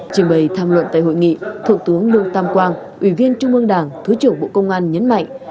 trình bày tham luận tại hội nghị thượng tướng lương tam quang ủy viên trung ương đảng thứ trưởng bộ công an nhấn mạnh